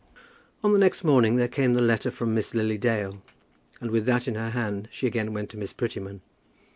On the next morning there came the letter from Miss Lily Dale, and with that in her hand she again went to Miss Prettyman.